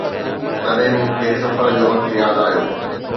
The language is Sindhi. تڏهن مون کي سفر جو وقت ياد آيو